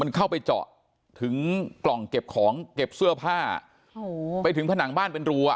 มันเข้าไปเจาะถึงกล่องเก็บของรีบเสื้อผ้า